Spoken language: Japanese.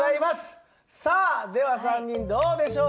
さあでは３人どうでしょうか？